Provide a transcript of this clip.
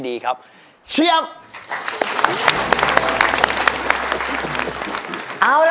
ยิ่งเสียใจ